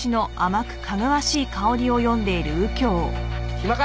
暇か？